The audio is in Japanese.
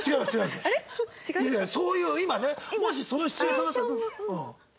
そういう今ねもしそのシチュエーションだったら。